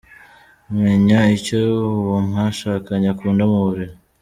Menya icyo uwo mwashakanye akunda mu buriri.